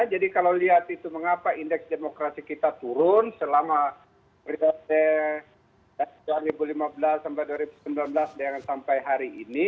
jadi kalau lihat itu mengapa indeks demokrasi kita turun selama dua ribu lima belas sampai dua ribu sembilan belas sampai hari ini